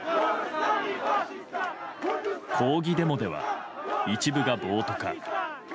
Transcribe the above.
抗議デモでは一部が暴徒化。